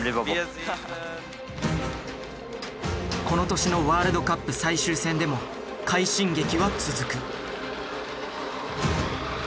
この年のワールドカップ最終戦でも快進撃は続く。